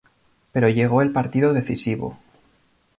Pero llegó el partido decisivo.